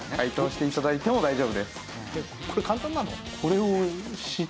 これ簡単なの？